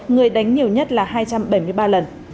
người đánh nhiều nhất là hai trăm bảy mươi ba lần